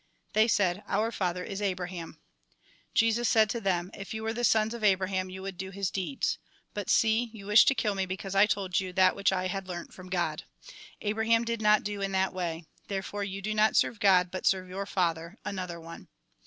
They said :" Our father is Abraham." Jesus said to them :" If you were the sons of Abraham you would do his deeds. But see, you wish to kill me because I told you that which I had learnt from God. Abraham did not do in that way; therefore you do not serve God, but serve your father, another one."